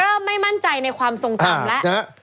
ไม่มั่นใจในความทรงจำแล้ว